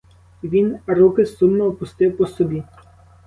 І він руки сумно опустив по собі.